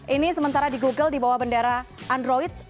ini sementara di google di bawah bendera android